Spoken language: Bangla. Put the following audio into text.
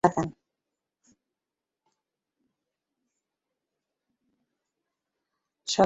সন্দেহভাজন চমকে পিছনে তাকান।